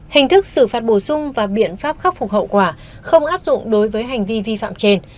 hình thức xử phạt bổ sung và biện pháp khắc phục hậu quả không áp dụng đối với hành vi vi phạm trên